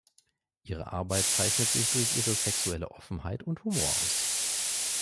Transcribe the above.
Ihre Arbeit zeichnet sich durch ihre sexuelle Offenheit und Humor aus.